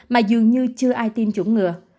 mà dường như chưa ai tin chủng ngừa